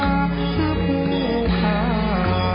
ทรงเป็นน้ำของเรา